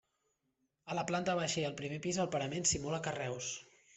A la planta baixa i el primer pis el parament simula carreus.